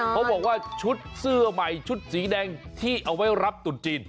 เขาบอกว่าชุดเสื้อใหม่ชุดสีแดงที่เอาไว้รับตุดจีน